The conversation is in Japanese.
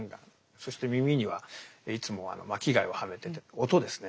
そして耳にはいつも巻貝をはめてて音ですね。